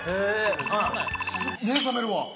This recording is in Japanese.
目覚める？